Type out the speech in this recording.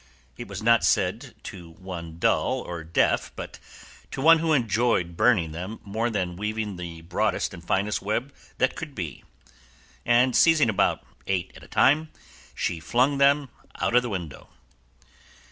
It was not said to one dull or deaf, but to one who enjoyed burning them more than weaving the broadest and finest web that could be; and seizing about eight at a time, she flung them out of the window.